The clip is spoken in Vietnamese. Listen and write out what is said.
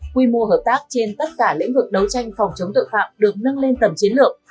quy mô hợp tác trên tất cả lĩnh vực đấu tranh phòng chống tội phạm được nâng lên tầm chiến lược